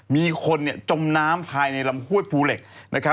มีคนจมน้ำภายในลำห้วยภูเหล็ก